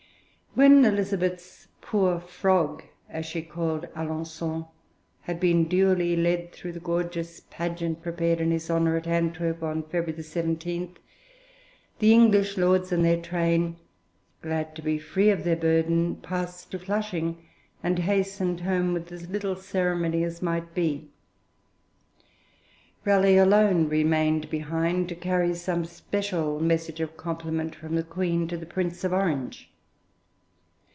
When Elizabeth's 'poor frog,' as she called Alençon, had been duly led through the gorgeous pageant prepared in his honour at Antwerp, on February 17, the English lords and their train, glad to be free of their burden, passed to Flushing, and hastened home with as little ceremony as might be. Raleigh alone remained behind, to carry some special message of compliment from the Queen to the Prince of Orange.